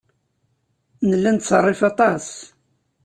Nella nettṣerrif aṭas.